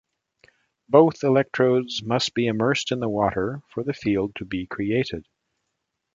Both electrodes must be immersed in the water for the field to be created.